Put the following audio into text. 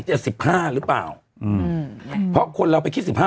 สิบห้าหรือเปล่าอืมเพราะคนเราไปคิดสิบห้า